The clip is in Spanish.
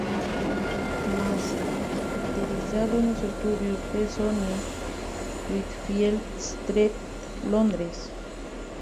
Masterizado en los estudios de Sony, Whitfield Street, Londres.